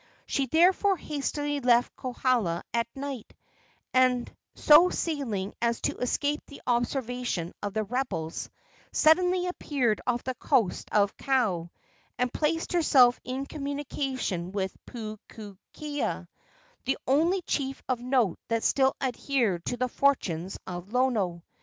She therefore hastily left Kohala at night, and, so sailing as to escape the observation of the rebels, suddenly appeared off the coast of Kau and placed herself in communication with Pupuakea, the only chief of note that still adhered to the fortunes of Lono.